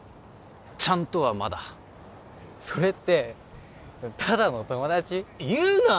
ちゃんとはまだそれってただの友達言うな！